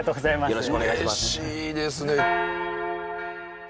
よろしくお願いします